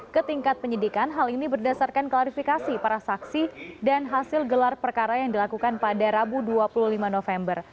ke tingkat penyidikan hal ini berdasarkan klarifikasi para saksi dan hasil gelar perkara yang dilakukan pada rabu dua puluh lima november